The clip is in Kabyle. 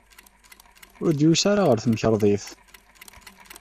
Ur d-yusi ara ɣer temkarḍit.